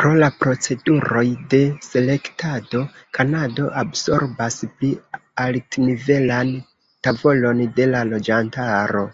Pro la proceduroj de selektado, Kanado absorbas pli altnivelan tavolon de la loĝantaro.